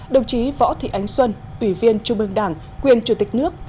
đồng chí võ thị ánh xuân ủy viên trung ương đảng quyền chủ tịch nước